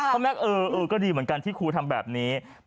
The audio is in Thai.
เพราะแม็กเออก็ดีเหมือนกันที่ครูทำแบบนี้